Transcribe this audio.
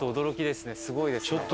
すごいですね。